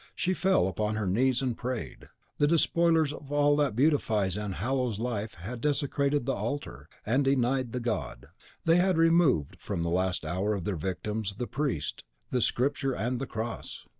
She fell upon her knees and prayed. The despoilers of all that beautifies and hallows life had desecrated the altar, and denied the God! they had removed from the last hour of their victims the Priest, the Scripture, and the Cross!